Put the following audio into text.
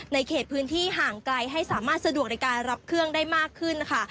เขตพื้นที่ห่างไกลให้สามารถสะดวกในการรับเครื่องได้มากขึ้นค่ะ